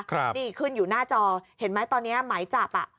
ครับนี่ขึ้นอยู่หน้าจอเห็นไหมตอนเนี้ยหมายจับอ่ะ